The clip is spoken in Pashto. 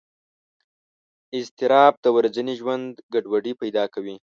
اضطراب د ورځني ژوند ګډوډۍ پیدا کوي.